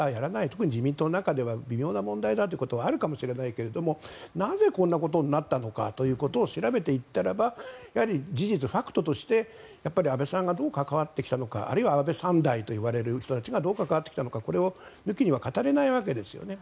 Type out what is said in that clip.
特に自民党の中では微妙な問題だということはあるかもしれないけれどなぜ、こんなことになったのかを調べていったらば事実、ファクトとして安倍さんがどう関わってきたのかあるいは安倍３代と言われる人たちがどう関わってきたのかはこれ抜きには語れないわけですよね。